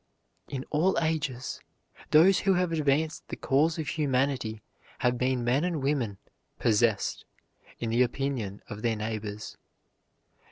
In all ages those who have advanced the cause of humanity have been men and women "possessed," in the opinion of their neighbors.